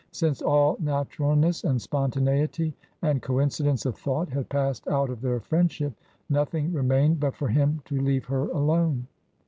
Since all naturalness and spontaneity and coincidence of thought had passed out of their friend ship, nothing remained but for him to leave her alone.